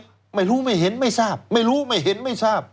ไม่รู้ไม่เห็นไม่ทราบไม่รู้ไม่เห็นไม่ทราบ